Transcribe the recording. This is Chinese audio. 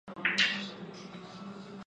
虢州弘农县人。